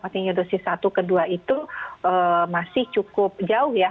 artinya dosis satu ke dua itu masih cukup jauh ya